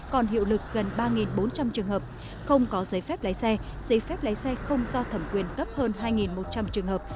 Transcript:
còn hiệu lực gần ba bốn trăm linh trường hợp không có giấy phép lái xe giấy phép lấy xe không do thẩm quyền cấp hơn hai một trăm linh trường hợp